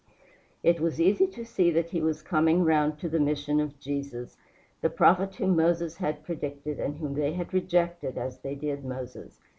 It was easy to see that he was coming round to the mission of Jesus, the prophet whom Moses had predicted, and whom they had rejected as they did Moses.